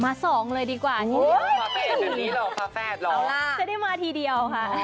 มาสองเลยดีกว่าโอ้ยมาเป็นแบบนี้หรอฟาแฟดหรอจะได้มาทีเดียวค่ะ